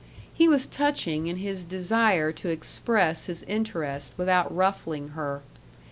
He was touching in his desire to express his interest without ruffling her.